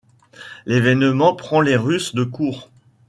L'évènement prend les Russes de court.